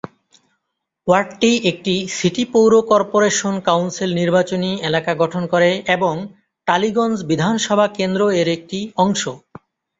ওয়ার্ডটি একটি সিটি পৌর corporation council নির্বাচনী এলাকা গঠন করে এবং টালিগঞ্জ বিধানসভা কেন্দ্র এর একটি অংশ।